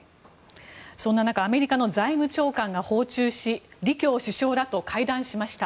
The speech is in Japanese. そんな中アメリカの財務長官が訪朝し李強首相らと会談しました。